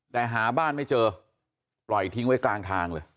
แต่หาบ้านไม่เจอปล่อยทิ้งไว้กลางทางเลย